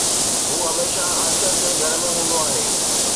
هو هميشه آچر تي گهر ۾ هوندو آهي.